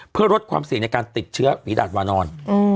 เพื่อลดความเสี่ยงในการติดเชื้อฝีดาดวานอน